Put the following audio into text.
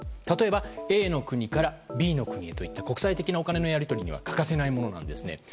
例えばＡの国からＢの国へといった国際的なお金のやり取りには欠かせないものなんですね。